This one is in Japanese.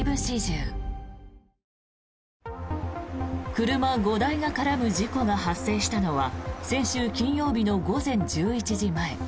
車５台が絡む事故が発生したのは先週金曜日の午前１１時前。